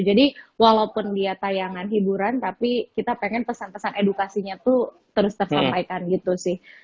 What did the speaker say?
jadi walaupun dia tayangan hiburan tapi kita pengen pesan pesan edukasinya tuh terus tersampaikan gitu sih